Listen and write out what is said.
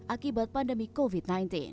akibat pandemi covid sembilan belas